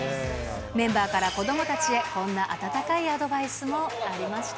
メンバーから子どもたちへ、こんな温かいアドバイスもありました。